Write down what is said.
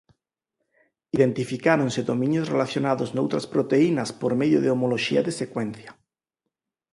Identificáronse dominios relacionados noutras proteínas por medio de homoloxía de secuencia.